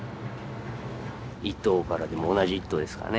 一頭からでも同じ一頭ですからね。